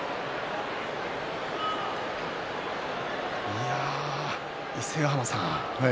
いや伊勢ヶ濱さん